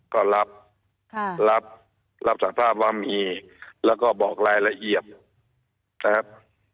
ก็รับรับรับสารภาพว่ามีแล้วก็บอกรายละเอียดนะครับ